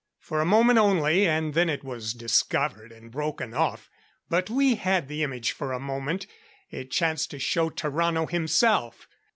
For a moment only, and then it was discovered and broken off. But we had the image for a moment it chanced to show Tarrano himself.